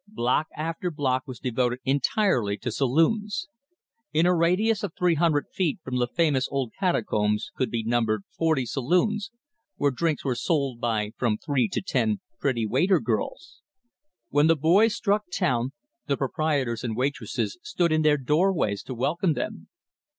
Block after block was devoted entirely to saloons. In a radius of three hundred feet from the famous old Catacombs could be numbered forty saloons, where drinks were sold by from three to ten "pretty waiter girls." When the boys struck town, the proprietors and waitresses stood in their doorways to welcome them.